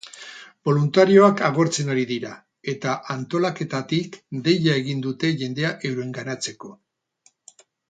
Boluntarioak agortzen ari dira eta antolaketatik deia egin dute jendea eurenganatzeko.